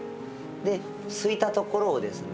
ですいたところをですね